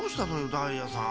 ダイヤさん。